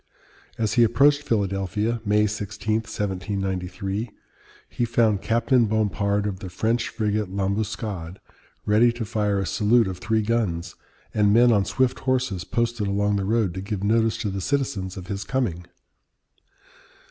As he approached Philadelphia (May 16, 1793) he found Captain Bompard of the French frigate L'Ambuscade ready to fire a salute of three guns, and men on swift horses posted along the road to give notice to the citizens of his coming.